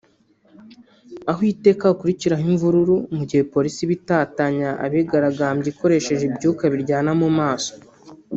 aho iteka hakurikiraho imvururu mu gihe polisi iba itatanya abigaragambya ikoresheje ibyuka biryana mu maso